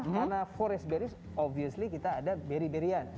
karena forest berries obviously kita ada beri berian